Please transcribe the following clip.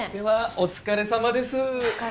お疲れさまです